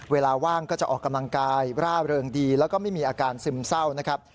เวลาว่างก็จะออกกำลังกายร่าเริงดีแล้วก็ไม่มีอาการซึมเศร้านะครับ